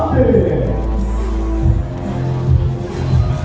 สโลแมคริปราบาล